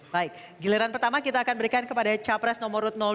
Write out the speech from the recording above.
baik giliran pertama kita akan berikan kepada capres nomor dua